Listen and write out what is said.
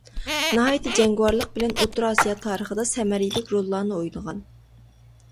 ناھايىتى جەڭگىۋارلىق بىلەن ئوتتۇرا ئاسىيا تارىخىدا سەمەرىلىك روللارنى ئوينىغان.